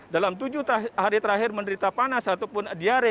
dalam tujuh hari terakhir menderita panas ataupun diare